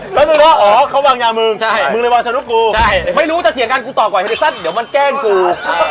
ก็นึกว่าอ๋อเขาวางยามึงมึงเลยวางสนุกกูไม่รู้จะเถียงกันกูต่อกว่าเฮลิสั้นเดี๋ยวมันแกล้งกู